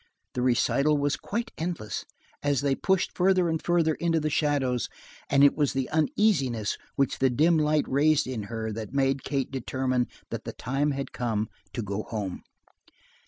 The recital was quite endless, as they pushed farther and farther into the shadows, and it was the uneasiness which the dim light raised in her that made Kate determine that the time had come to go home.